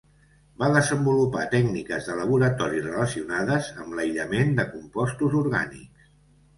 Va desenvolupar tècniques de laboratori relacionades amb l'aïllament de compostos orgànics.